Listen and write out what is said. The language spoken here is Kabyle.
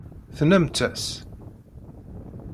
Tennamt-as.